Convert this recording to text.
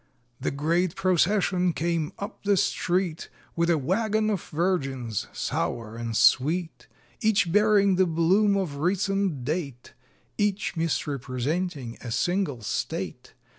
III. The great procession came up the street, With a wagon of virgins, sour and sweet; Each bearing the bloom of recent date, Each misrepresenting a single State.